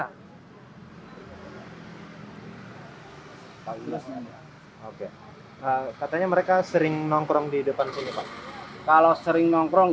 hai pagi langsung oke katanya mereka sering nongkrong di depan sini pak kalau sering nongkrong